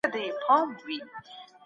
دا خلګ ولې تاريخ له مبدا جوړوي؟